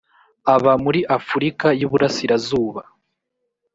aba muri afurika y’iburasirazuba .